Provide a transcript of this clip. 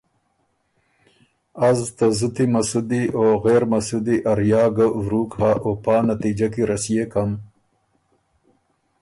از ته زُت مسُودی او غېر مسُودی ا ریا ګۀ ورُوک هۀ او پا نتیجۀ کی رسيېکم